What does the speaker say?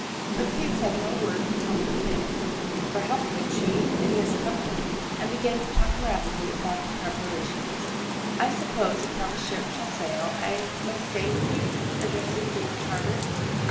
But Kate said no word to comfort him for how could she in this company? and began to talk rapidly about her preparations. "I suppose until the ship shall sail I may stay with you?" addressing Dame Charter.